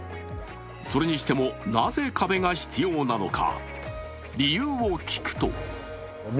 それにしてもなぜ壁が必要なのか。